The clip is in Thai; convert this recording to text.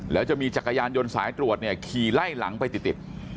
แล้วจะมีจักรยานยนต์สายตรวจเนี่ยขี่ไล่หลังไปติด